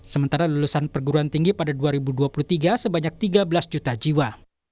sementara lulusan perguruan tinggi pada dua ribu dua puluh tiga sebanyak tiga belas juta jiwa